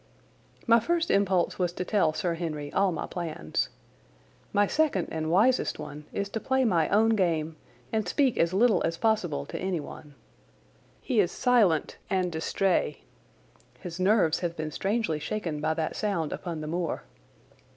My first impulse was to tell Sir Henry all my plans. My second and wisest one is to play my own game and speak as little as possible to anyone. He is silent and distrait. His nerves have been strangely shaken by that sound upon the moor.